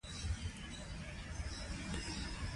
او وينه به بره چليږي